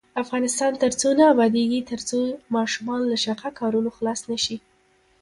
افغانستان تر هغو نه ابادیږي، ترڅو ماشومان له شاقه کارونو خلاص نشي.